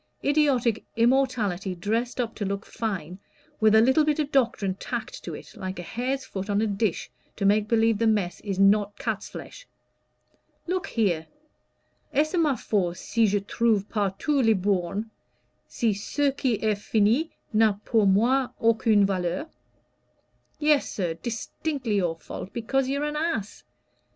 idiotic immorality dressed up to look fine, with a little bit of doctrine tacked to it, like a hare's foot on a dish, to make believe the mess is not cat's flesh. Look here! 'Est ce ma faute, si je trouve partout les bornes, si ce qui est fini n'a pour moi aucune valeur?' Yes, sir, distinctly your fault, because you're an ass.